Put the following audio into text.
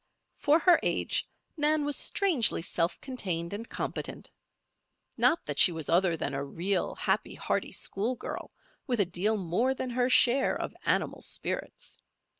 For her age, Nan was strangely self contained and competent. Not that she was other than a real, happy, hearty schoolgirl with a deal more than her share of animal spirits.